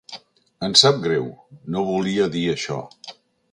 Em sap greu, no volia dir això.